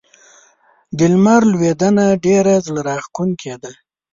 د لمر لوېدنه ډېره زړه راښکونکې ده.